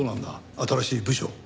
新しい部署。